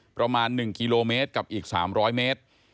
ประมาณ๑กิโลเมตรกับอีก๓๐๐เมตร